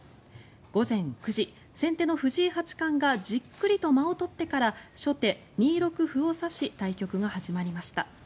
午前９時、先手の藤井八冠がじっくりと間を取ってから初手、２六歩を指し対局が始まりました。